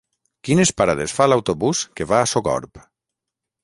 Quines parades fa l'autobús que va a Sogorb?